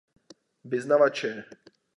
Vyznavače.